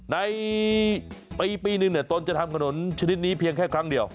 ในปีนึงตนจะทำถนนชนิดนี้เพียงแค่ครั้งเดียว